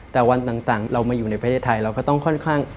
แต่วันต่างเรามาอยู่ในประเทศไทยเราก็ต้องค่อนข้าง